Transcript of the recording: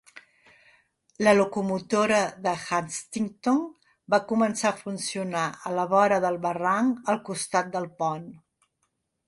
La locomotora de Huntington va començar a funcionar a la vora del barranc al costat del pont.